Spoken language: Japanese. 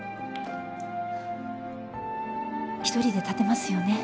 １人で立てますよね？